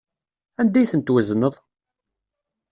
Anda ay ten-twezneḍ?